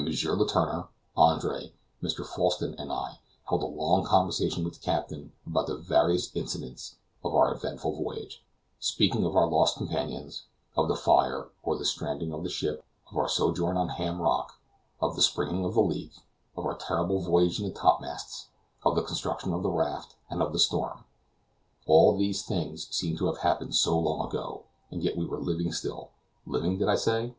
Letourneur, Andre, Mr. Falsten and I, held a long conversation with the captain about the various incidents of our eventful voyage, speaking of our lost companions, of the fire, or the stranding of the ship, of our sojourn on Ham Rock, of the springing of the leak, of our terrible voyage in the top masts, of the construction of the raft, and of the storm. All these things seemed to have happened so long ago, and yet we were living still. Living, did I say?